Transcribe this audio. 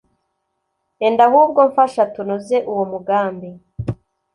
Enda ahubwo mfasha tunoze uwo mugambi.